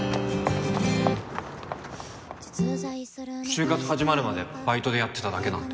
就活始まるまでバイトでやってただけなんで